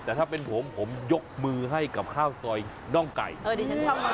แต่ถ้าเป็นผมผมยกมือให้กับข้าวซอยน่องไก่เออดิฉันชอบ